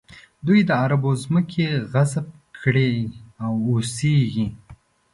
دوی د عربو ځمکې غصب کړي او اوسېږي.